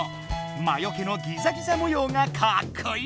魔よけのギザギザもようがかっこいい！